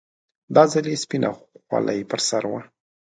دا ځل يې سپينه خولۍ پر سر وه.